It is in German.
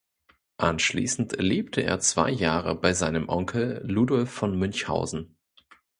Anschließend lebte er zwei Jahre bei seinem Onkel Ludolph von Münchhausen.